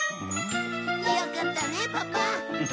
よかったねパパ。